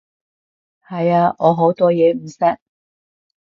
係啊，我好多嘢唔識